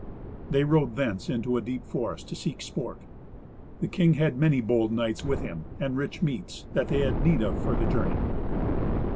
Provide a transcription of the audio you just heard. They rode thence into a deep forest to seek sport. The king had many bold knights with him, and rich meats, that they had need of for the journey.